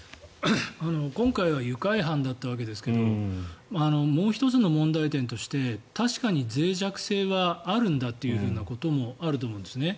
今回は愉快犯だったわけですけどもう１つの問題点として確かにぜい弱性はあるんだっていうこともあると思うんですね。